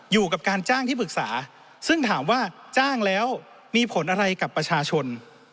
อยู่กับการจ้างที่ปรึกษาซึ่งถามว่าจ้างแล้วมีผลอะไรกับประชาชน